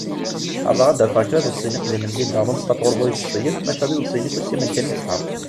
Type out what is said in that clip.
Ɛerḍeɣ ad d-afeɣ kra iḍebsiyen iqdimen n Linda Ronstadt ɣur bu-iḍebsiyen, maca d iḍebsiyen ikussimen kan i yesεa.